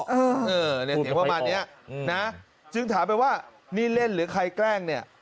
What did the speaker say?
เออเนี่ยเสียงประมาณเนี้ยนะจึงถามไปว่านี่เล่นหรือใครแกล้งเนี่ย